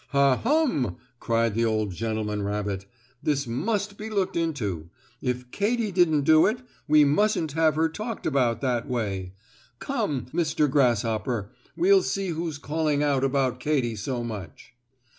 "Ha, hum!" cried the old gentleman rabbit. "This must be looked into. If Katy didn't do it, we mustn't have her talked about that way. Come, Mr. Grasshopper, we'll see who's calling out about Katy so much."